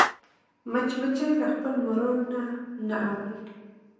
مچمچۍ له خپل مورال نه نه اوړي